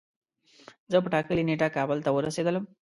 زه په ټاکلی نیټه کابل ته ورسیدلم